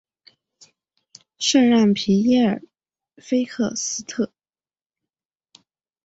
圣让皮耶尔菲克斯特。